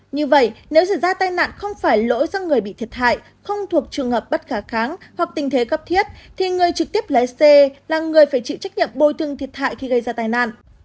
như vậy nếu xảy ra tai nạn không phải lỗi sang người bị thiệt hại không thuộc trường hợp bất khả kháng hoặc tình thế cấp thiết thì người trực tiếp lái xe là người phải chịu trách nhiệm bồi thương thiệt hại khi gây ra tai nạn